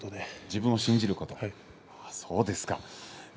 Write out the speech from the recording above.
自分を信じることです。